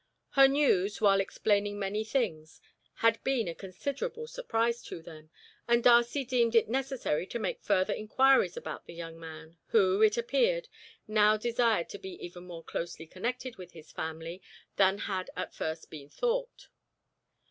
Her news, while explaining many things, had been a considerable surprise to them, and Darcy deemed it necessary to make further inquiries about the young man, who, it appeared, now desired to be even more closely connected with his family than had at first been thought.